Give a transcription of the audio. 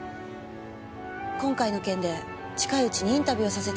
今回の件で近いうちにインタビューをさせてください。